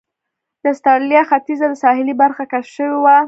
د اسټرالیا ختیځه ساحلي برخه کشف شوې وه.